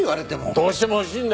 どうしても欲しいんだ。